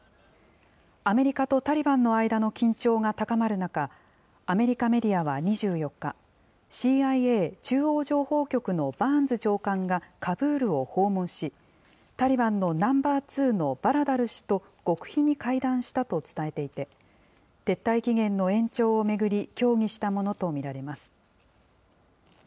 アメリカとタリバンの間の緊張が高まる中、アメリカメディアは２４日、ＣＩＡ・中央情報局のバーンズ長官がカブールを訪問し、タリバンのナンバー・ツーのバラダル師と極秘に会談したと伝えていて、撤退期限の延長を巡り、協議したものと見られます。